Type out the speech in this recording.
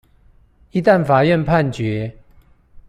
一旦法院判決